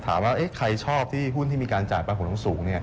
ถามว่าใครชอบที่หุ้นที่มีการจ่ายปันผลสูง